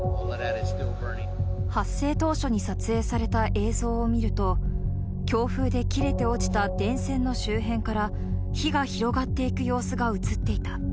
発生当初に撮影された映像を見ると、強風で切れて落ちた電線の周辺から火が広がっていく様子が映っていた。